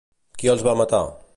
Qui els va matar?